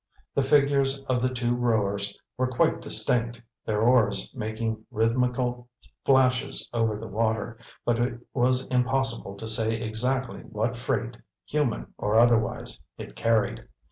The figures of the two rowers were quite distinct, their oars making rhythmical flashes over the water, but it was impossible to say exactly what freight, human or otherwise, it carried.